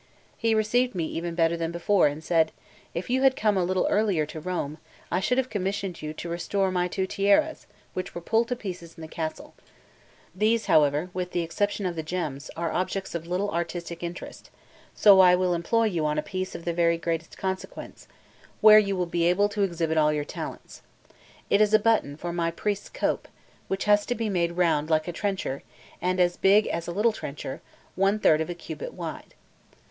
He received me even better than before, and said: "If you had come a little earlier to Rome, I should have commissioned you to restore my two tiaras, which were pulled to pieces in the castle. These, however, with the exception of the gems, are objects of little artistic interest; so I will employ you on a piece of the very greatest consequence, where you will be able to exhibit all your talents. It is a button for my priest's cope, which has to be made round like a trencher, and as big as a little trencher, one third of a cubit wide.